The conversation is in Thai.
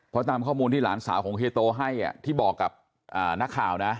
เพราะตามข้อมูลที่หลานสาวของเฮียโตให้ที่บอกกับนักข่าวนะ